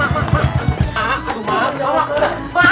aku udah balik